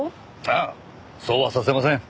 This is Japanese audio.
ああそうはさせません。